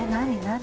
何？